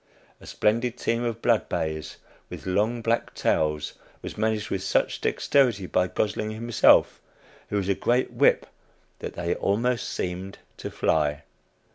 A splendid team of blood bays, with long black tails, was managed with such dexterity by Gosling himself, who was a great "whip," that they almost seemed to fly.